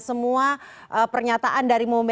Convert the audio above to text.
semua pernyataan dari